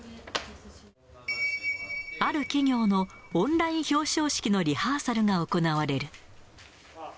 ある企業のオンライン表彰式のリハーサルが行われる。